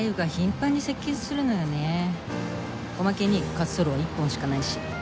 おまけに滑走路は１本しかないし。